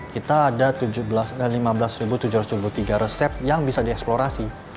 kita ada lima belas tujuh ratus dua puluh tiga resep yang bisa dieksplorasi